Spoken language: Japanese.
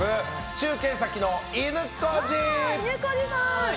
中継先のいぬこじ！